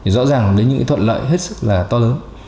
rõ ràng đến những thuận lợi hết sức là to lớn